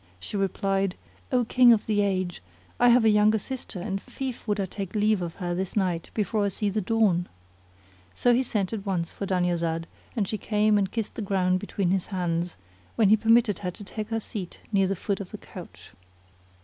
She replied, "O King of the age, I have a younger sister and lief would I take leave of her this night before I see the dawn." So he sent at once for Dunyazad and she came and kissed the ground between his hands, when he permitted her to take her seat near the foot of the couch.